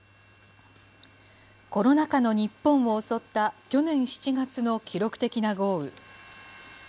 コロナ禍の日本を襲った去年７月の記録的な豪雨。